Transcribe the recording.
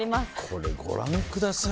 これご覧ください。